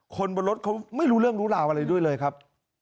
คนบนรถเขาไม่รู้เรื่องรู้ราวอะไรด้วยเลยครับ